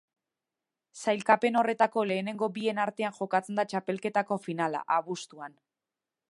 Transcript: Sailkapen horretako lehenengo bien artean jokatzen da txapelketako finala, abuztuan.